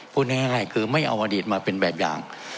พูดง่ายคือไม่เอาอดีตมาเป็นแบบอย่าง